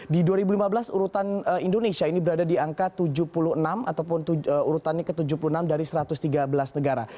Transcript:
di dua ribu lima belas urutan indonesia ini berada di angka tujuh puluh enam ataupun urutannya ke tujuh puluh enam dari satu ratus tiga belas negara